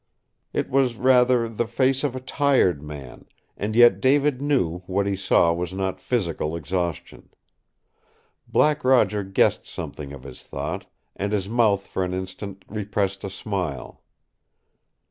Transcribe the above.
It was rather the face of a tired man, and yet David knew what he saw was not physical exhaustion. Black Roger guessed something of his thought, and his mouth for an instant repressed a smile.